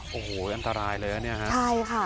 โอ้โหอันตรายเลยนะเนี่ยฮะใช่ค่ะ